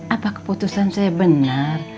apa keputusan saya benar